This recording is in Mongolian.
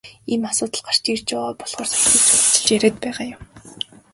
Ийм асуудал гарч ирж байгаа болохоор соёлыг чухалчилж яриад байгаа юм.